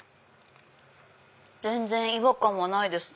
全然違和感はないです。